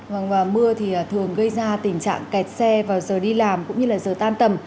vâng và mưa thì thường gây ra tình trạng kẹt xe vào giờ đi làm cũng như là giờ tan tầm